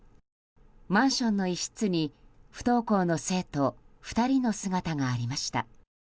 マンションの一室に不登校の生徒２人の姿がありました。